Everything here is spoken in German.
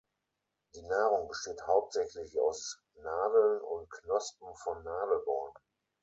Die Nahrung besteht hauptsächlich aus Nadeln und Knospen von Nadelbäumen.